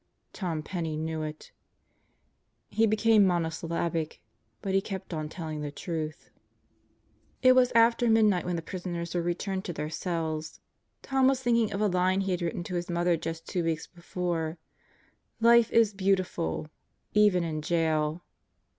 Tom Penney knew it. He became monosyllabic. But he kept on telling the truth. It was after midnight when the prisoners were returned to their cells. Tom was thinking of a line he had written to his mother just two weeks before: "Life is beautiful even in jail."